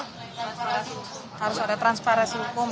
harus ada transparasi hukum